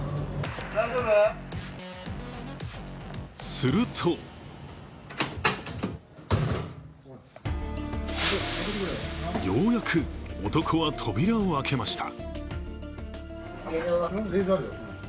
するとようやく男は扉を開けました。